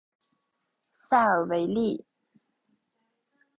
塞尔维利。